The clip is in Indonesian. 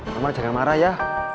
nomel jangan marah ya